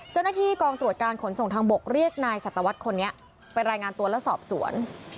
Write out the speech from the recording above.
เจ้าหน้าที่กองตรวจการขนส่งทางบกเรียกนายสัตวรรษคนนี้ไปรายงานตัวและสอบสวน